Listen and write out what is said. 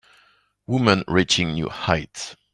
Woman reaching new heights